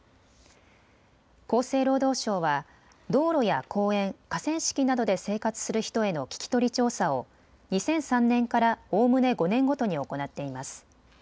厚生労働省は道路や公園、河川敷などで生活する人への聞き取り調査を２００３年からおおむね５年ごとに行っています。